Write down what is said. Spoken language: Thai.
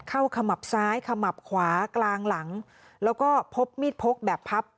ขมับซ้ายขมับขวากลางหลังแล้วก็พบมีดพกแบบพับ